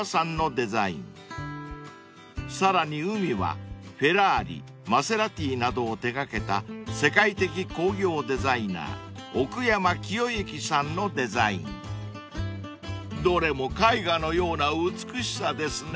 ［さらにＵＭＩはフェラーリマセラティなどを手掛けた世界的工業デザイナー奥山清行さんのデザイン］［どれも絵画のような美しさですね］